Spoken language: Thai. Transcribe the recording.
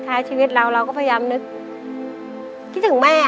ท้ายชีวิตเราเราก็พยายามนึกคิดถึงแม่